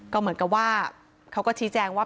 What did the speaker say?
ก็เหมือนกันว่า